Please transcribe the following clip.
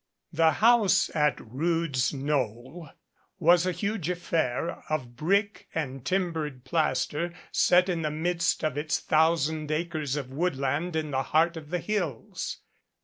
The house at Rood's Knoll was a huge affair, of brick and timbered plaster, set in the midst of its thousand acres of woodland in the heart of the hills.